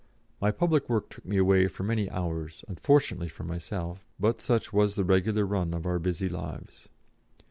My public work took me away for many hours, unfortunately for myself, but such was the regular run of our busy lives.